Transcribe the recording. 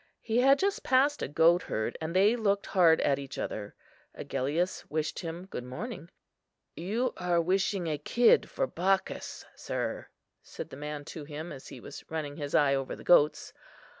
He had just passed a goatherd, and they looked hard at each other. Agellius wished him good morning. "You are wishing a kid for Bacchus, sir," said the man to him as he was running his eye over the goats.